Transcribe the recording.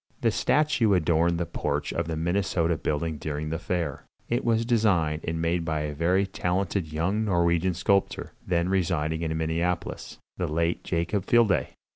This statue adorned the porch of the Minnesota building during the fair. It was designed and made by a very talented young Norwegian sculptor, then residing in Minneapolis the late Jakob Fjelde.